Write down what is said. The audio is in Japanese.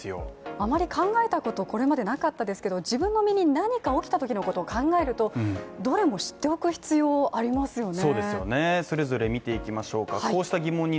あまり考えたことこれまでなかったですけど自分の身に何か起きたときのことを考えると、どれも知っておく必要ありますよね